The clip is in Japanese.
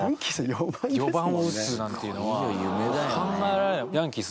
４番を打つなんていうのは考えられない。